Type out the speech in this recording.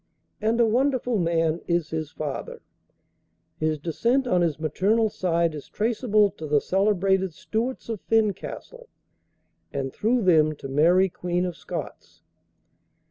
And a wonderful man is his father. His descent on his maternal side is traceable to the celebrated Stuarts of Fincastle, and through them to Mary, Queen of Scots.